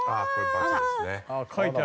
バツですね。